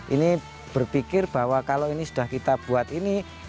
ini berpikir bahwa kalau ini sudah kita buat ini